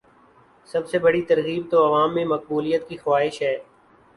سب سے بڑی ترغیب تو عوام میں مقبولیت کی خواہش ہے۔